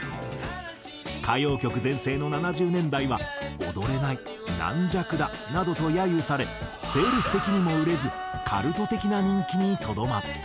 歌謡曲全盛の７０年代は「踊れない」「軟弱だ」などと揶揄されセールス的にも売れずカルト的な人気にとどまった。